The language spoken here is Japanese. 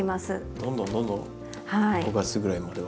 どんどんどんどん５月ぐらいまでは。